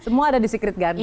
semua ada di secret garbi